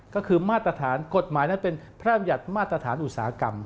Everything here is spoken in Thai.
ก็คือมาตรฐานกฎหมายนั้นเป็นพระอำยัติมาตรฐานอุตสาหกรรม